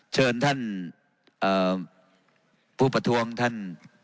เชิญท่านผู้ประท้วงท่าน